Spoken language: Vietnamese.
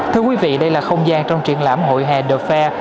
thưa quý vị đây là không gian trong triển lãm hội hè the fair